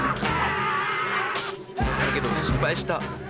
だけど失敗した。